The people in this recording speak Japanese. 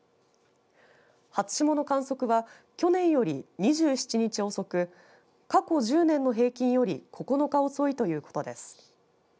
初霜の観測は去年より２７日遅く過去１０年の平均より９日遅いということです。